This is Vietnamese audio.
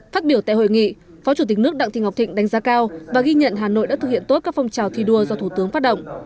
phát biểu tại hội nghị phó chủ tịch nước đặng thị ngọc thịnh đánh giá cao và ghi nhận hà nội đã thực hiện tốt các phong trào thi đua do thủ tướng phát động